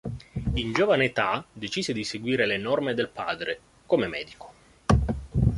In giovane età, decise di seguire le orme del padre come medico.